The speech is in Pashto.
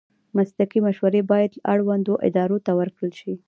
مسلکي مشورې باید اړوندو ادارو ته ورکړل شي.